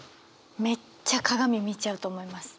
めっちゃ鏡見ちゃうと思います。